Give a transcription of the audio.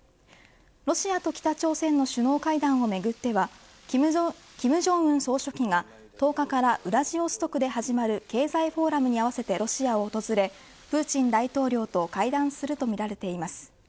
ロシアと北朝鮮の首脳会談をめぐっては金正恩総書記が１０日からウラジオストクで始まる経済フォーラムに合わせてロシアを訪れプーチン大統領と会談するとみられています。